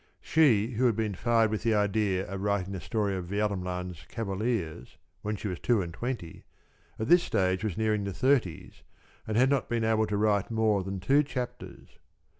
She who had been fired with the idea of writing the story of Vermland's Cavaliers when she was two and twenty, at this stage was nearing the thirties and had not been able to write more than two chapters.